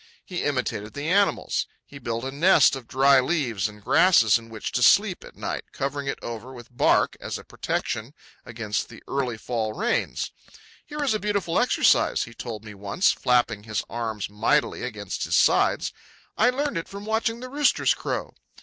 He imitated the animals. He built a nest of dry leaves and grasses in which to sleep at night, covering it over with bark as a protection against the early fall rains. "Here is a beautiful exercise," he told me, once, flapping his arms mightily against his sides; "I learned it from watching the roosters crow."